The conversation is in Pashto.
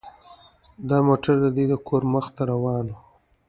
دا موټر د دوی د کور مخې ته روان و